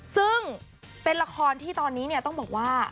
ซึ่งเป็นละครที่ตอนนี้เนี่ยต้องบอกว่า